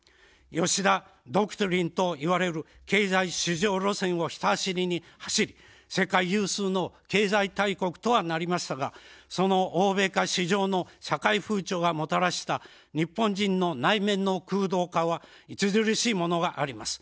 吉田ドクトリンといわれる経済至上路線をひた走りに走り世界有数の経済大国とはなりましたが、その欧米化至上の社会風潮がもたらした日本人の内面の空洞化は著しいものがあります。